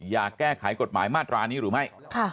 แก้ไขกฎหมายมาตรานี้หรือไม่